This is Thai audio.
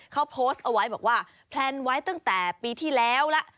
เขาโพสต์เอาไว้บอกว่าแพลนไว้ตั้งแต่ปีที่แล้วแล้ว